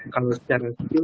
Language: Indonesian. kalau secara sikil